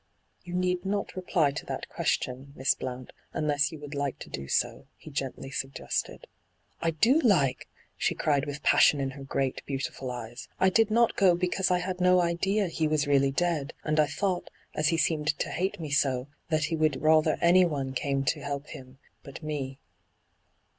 * You need not reply to that question, Miss Blount, unless you would like to do so/ he gently suggested. * I do like,' she cried, with passion in her great, beautiful eyes. ' I did not go because I had no idea he was really dead, and I thought, as he seemed to hate me so, that he would rather anyone came to help him but me.'